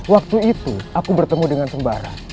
waktu itu aku bertemu dengan sembarang